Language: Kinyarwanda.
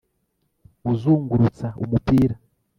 uzungurutsa umupira